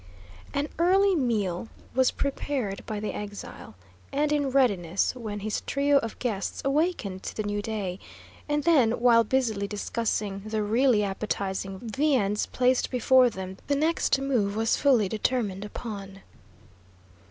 An early meal was prepared by the exile, and in readiness when his trio of guests awakened to the new day; and then, while busily discussing the really appetising viands placed before them, the next move was fully determined upon.